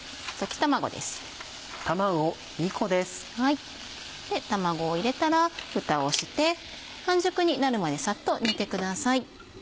卵を入れたらふたをして半熟になるまでサッと煮てください。